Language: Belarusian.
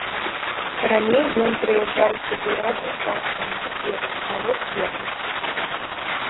Раней ён прыязджаў сюды разам з бацькам і дзедам малоць зерне.